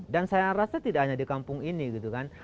dan saya rasa tidak hanya di kampung ini gitu kan